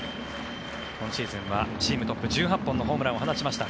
今シーズンはチームトップ１８本のホームランを放ちました。